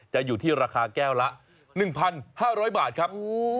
อยู่ที่ราคาแก้วละ๑๕๐๐บาทครับ